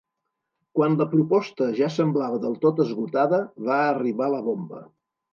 Quan la proposta ja semblava del tot esgotada va arribar la bomba.